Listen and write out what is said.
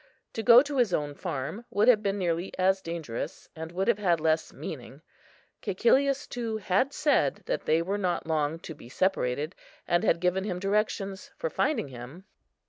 To go to his own farm would have been nearly as dangerous, and would have had less meaning. Cæcilius too had said, that they were not long to be separated, and had given him directions for finding him.